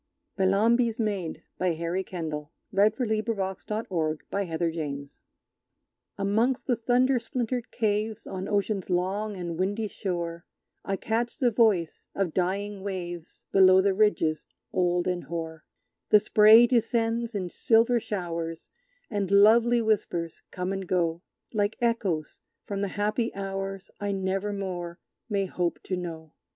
Watching, in its glow, Ghosts of other days Trooping to and fro! Bellambi's Maid Amongst the thunder splintered caves On Ocean's long and windy shore, I catch the voice of dying waves Below the ridges old and hoar; The spray descends in silver showers, And lovely whispers come and go, Like echoes from the happy hours I never more may hope to know!